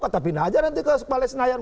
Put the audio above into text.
kata pindah aja nanti ke palais senayan